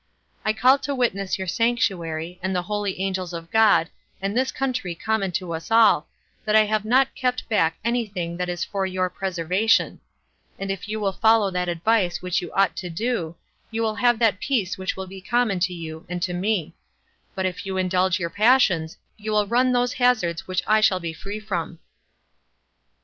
I call to witness your sanctuary, and the holy angels of God, and this country common to us all, that I have not kept back any thing that is for your preservation; and if you will follow that advice which you ought to do, you will have that peace which will be common to you and to me; but if you indulge four passions, you will run those hazards which I shall be free from."